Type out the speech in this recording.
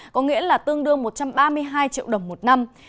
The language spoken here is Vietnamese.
có nghĩa là tương đương một trăm ba mươi hai triệu đồng một năm